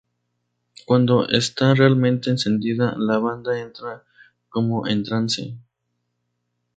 Cuando esta realmente encendida, la banda entra como en trance.